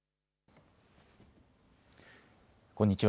こんにちは。